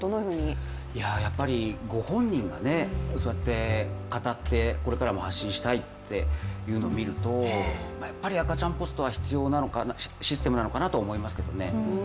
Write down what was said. やっぱりご本人が、そうやって語ってこれからも発信したいというのを見るとやっぱり赤ちゃんポストは必要なシステムなのかなと思いますけどね。